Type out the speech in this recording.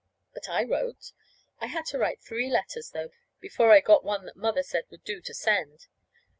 But I wrote. I had to write three letters, though, before I got one that Mother said would do to send.